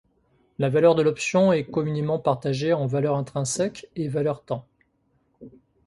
La valeur de l'option est communément partagée en valeur intrinsèque et valeur temps.